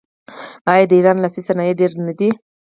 آیا د ایران لاسي صنایع ډیر نه دي؟